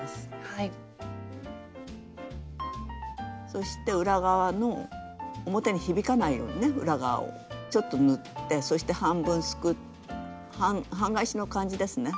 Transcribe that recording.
そして裏側の表に響かないようにね裏側をちょっと縫ってそして半分すくう半返しの感じですね。